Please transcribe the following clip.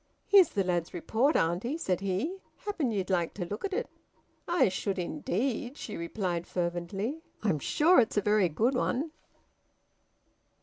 "Here's the lad's report, auntie," said he. "Happen ye'd like to look at it." "I should indeed!" she replied fervently. "I'm sure it's a very good one."